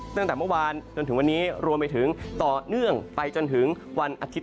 ตั้งแต่เมื่อวานจนถึงวันนี้รวมไปถึงต่อเนื่องไปจนถึงวันอาทิตย